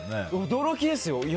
驚きですよ。